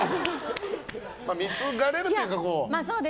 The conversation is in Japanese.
貢がれるというか。